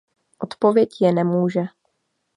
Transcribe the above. Odpověď je nemůže.